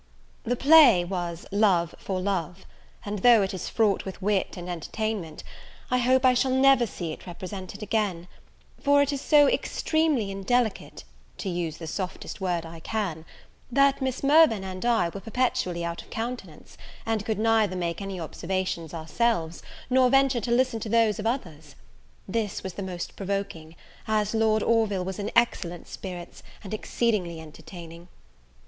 The play was Love for Love; and though it is fraught with wit and entertainment I hope I shall never see it represented again; for it is so extremely indelicate to use the softest word I can that Miss Mirvan and I were perpetually out of countenance, and could neither make any observations ourselves, nor venture to listen to those of others. This was the most provoking, as Lord Orville was in excellent spirits, and exceedingly entertaining.